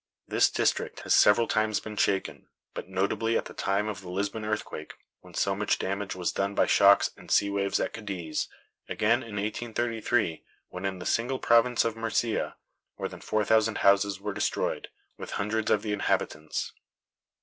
This district has several times been shaken; but notably at the time of the Lisbon earthquake, when so much damage was done by shocks and sea waves at Cadiz; again in 1833, when in the single province of Murcia more than four thousand houses were destroyed, with hundreds of the inhabitants.